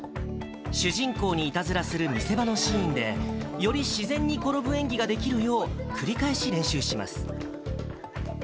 主人公にいたずらする見せ場のシーンで、より自然に転ぶ演技ができるよう、繰り返し練習します。